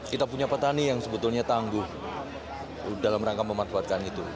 kita punya petani yang sebetulnya tangguh dalam rangka memanfaatkan itu